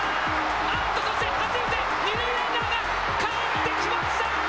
あっと、そして、２塁ランナーがかえってきました。